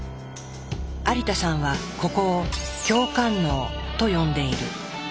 有田さんはここを「共感脳」と呼んでいる。